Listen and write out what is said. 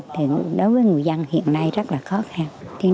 thì đối với người dân hiện nay rất là khó khăn